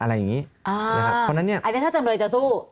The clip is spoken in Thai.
อันนี้ถ้าจำนวนจะสู้